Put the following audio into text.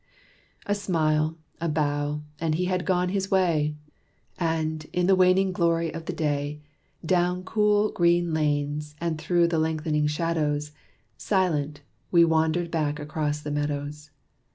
A smile, a bow, and he had gone his way: And, in the waning glory of the day, Down cool, green lanes, and through the length'ning shadows, Silent, we wandered back across the meadows.